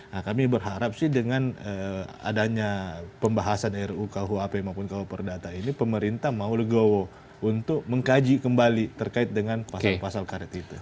nah kami berharap sih dengan adanya pembahasan ru kuap maupun kuhp perdata ini pemerintah mau legowo untuk mengkaji kembali terkait dengan pasal pasal karet itu